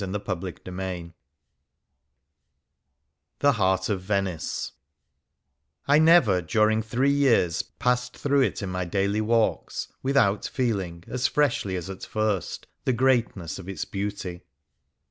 51 CHAPTER III THE HEART OF VENICE " I never during three years passed through it in my daily walks without feeling, as freshly as at first, the greatness of its beauty."